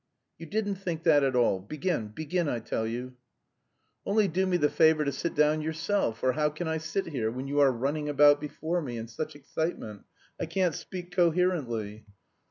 "You didn't think that at all. Begin, begin, I tell you." "Only do me the favour to sit down yourself, or how can I sit here when you are running about before me in such excitement. I can't speak coherently."